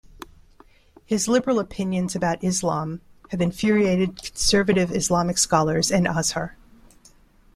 His liberal opinions about Islam have infuriated conservative Islamic scholars and Azhar.